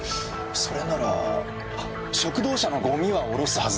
それなら食堂車のゴミは降ろすはずですが。